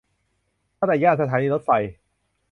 ตั้งแต่ย่านสถานีรถไฟ